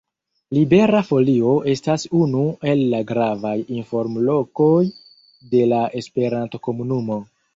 Libera Folio estas unu el la gravaj informlokoj de la esperanto-komunumo.